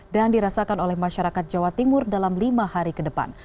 dan dirasakan oleh masyarakat jawa timur dalam lima hari ke depan